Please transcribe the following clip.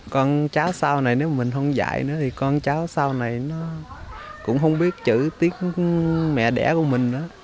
con cháu sau này nếu mình không dạy nữa thì con cháu sau này nó cũng không biết chữ tiếng mẹ đẻ của mình nữa